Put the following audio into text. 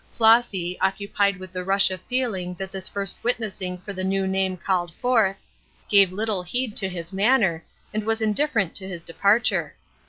Flossy, occupied with the rush of feeling that this first witnessing for the new name called forth, gave little heed to his manner, and was indifferent to his departure.